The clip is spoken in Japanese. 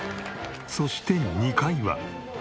そして２階は。